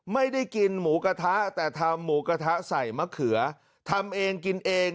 ไม่ได้กินหมูกระทะแต่ทำหมูกระทะใส่มะเขือทำเองกินเอง